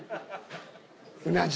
うな重！